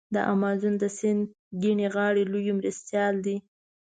د امازون د سیند کیڼې غاړي لوی مرستیال دی.